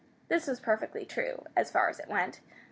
This was perfectly true, as far as it went.